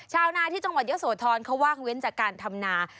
ชาวนาที่จังหวัดเยอะโสธรเขาว่างเว้นจากการทำนา